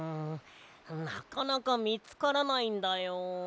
なかなかみつからないんだよ。